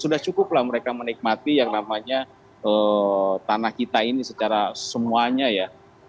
sudah cukup lah mereka menikmati yang namanya tanah kita ini secara semuanya ya